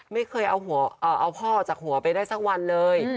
ไม่เคยเอาพ่อออกจากหัวไปได้สักวันเลย